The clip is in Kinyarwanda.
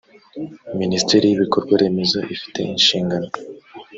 minisiteri y ibikorwa remezo ifite inshingano